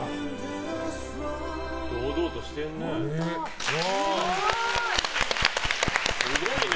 堂々としてるね。